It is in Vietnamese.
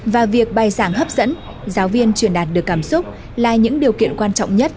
và việc bài giảng hấp dẫn giáo viên truyền đạt được cảm xúc là những điều kiện quan trọng nhất